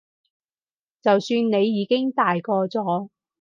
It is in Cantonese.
就算你已經大個咗